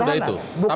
harusnya semudah itu